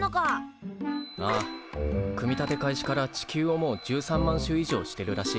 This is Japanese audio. ああ組み立て開始から地球をもう１３万周以上してるらしい。